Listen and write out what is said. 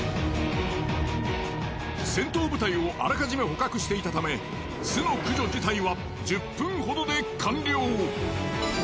戦闘部隊をあらかじめ捕獲していたため巣の駆除自体は１０分ほどで完了。